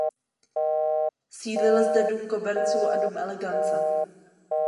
Sídlil zde Dům koberců a Dům elegance.